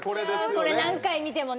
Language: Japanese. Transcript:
これ何回見てもね。